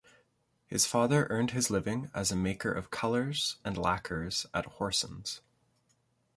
His father earned his living as a maker of colours and lacquers at Horsens.